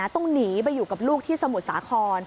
ต้องหนีไปอยู่กับลูกที่สมุทรสาคร